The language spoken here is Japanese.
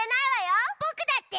ぼくだって！